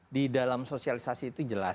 di dalam sosialisasi itu jelas